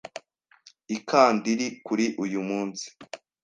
Ikadiri Kuri Uyu munsi.